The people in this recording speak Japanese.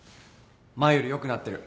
前より良くなってる。